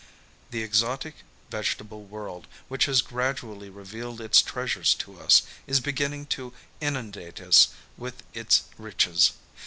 The exotic vegetable world, which has gradually revealed ii6 PARIS its treasures to us, is beginning to inundate us with its riches.